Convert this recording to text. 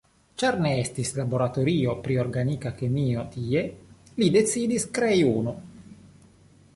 Ĉar ne estis laboratorio pri Organika Kemio tie, li decidis krei unu.